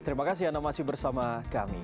terima kasih anda masih bersama kami